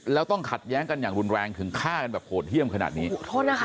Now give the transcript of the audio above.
แล้วต้องขัดแย้งกันอย่างรุนแรงถึงฆ่ากันแบบโหดเยี่ยมขนาดนี้โทษนะคะ